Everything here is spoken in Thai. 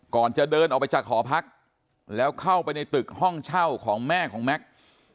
ก่อนจะเดินออกไปจากหอพักแล้วเข้าไปในตึกห้องเช่าของแม่ของแม็กซ์